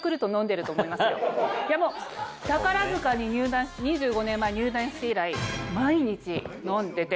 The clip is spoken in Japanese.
いやもう宝塚に２５年前入団して以来毎日飲んでて。